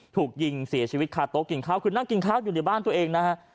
ถูกยิงเสียชีวิตคาโต๊ะกินข้าวคือนั่งกินข้าวอยู่ในบ้านตัวเองนะฮะ